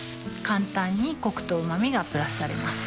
簡単にコクとうま味がプラスされます